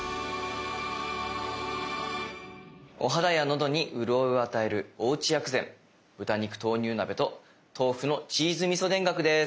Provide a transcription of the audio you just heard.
お肌やのどにうるおいを与えるおうち薬膳「豚肉豆乳鍋」と「豆腐のチーズみそ田楽」です。